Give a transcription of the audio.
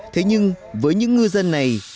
thế nhưng với những ngư dân này